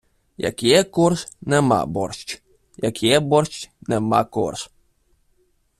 Як є корж:, нема борщ, як є борщ, нема корж.